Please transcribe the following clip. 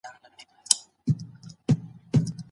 د طبعي علومو څېړنې پراخه ساحه لري.